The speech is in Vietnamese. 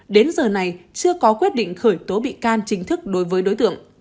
đến giờ này chưa có quyết định khởi tố bị can chính thức đối với đối tượng